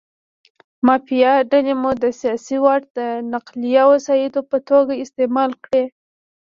مافیایي ډلې مو د سیاسي واټ د نقلیه وسایطو په توګه استعمال کړي.